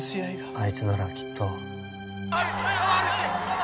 あいつならきっと。